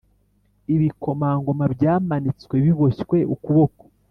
Ibikomangoma byamanitswe biboshywe ukuboko